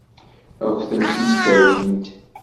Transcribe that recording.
Ad kent-tent-id-awint?